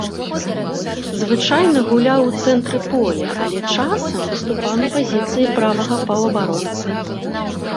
Звычайна гуляў у цэнтры поля, але часам выступаў на пазіцыі правага паўабаронцы.